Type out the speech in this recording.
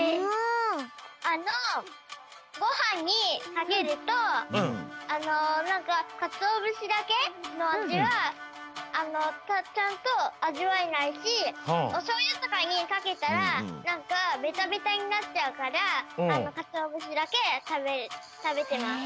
あのごはんにかけるとなんかカツオ節だけのあじはちゃんとあじわえないしおしょうゆとかかけたらなんかベタベタになっちゃうからカツオ節だけたべてます。